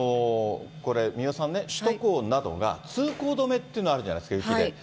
これ、三輪さんね、首都高などが通行止めっていうのあるじゃないですか、雪で。